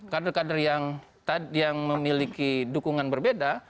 kader kader yang memiliki dukungan berbeda